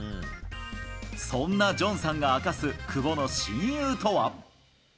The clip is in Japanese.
そんなジョンさんが明かす久保の親友とは。